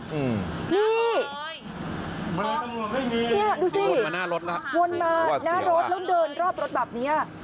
อืมนี่มันต้องมาให้มีเนี่ยดูสิวนมาหน้ารถวนมาหน้ารถแล้วเดินรอบรถแบบเนี้ย